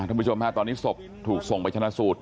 ท่านผู้ชมครับตอนนี้ศพถูกส่งไปชนะสูตร